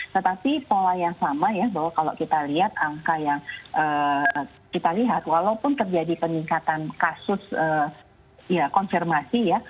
tetapi pola yang sama ya bahwa kalau kita lihat angka yang kita lihat walaupun terjadi peningkatan kasus ya konfirmasi ya